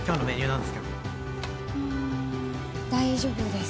んん大丈夫です。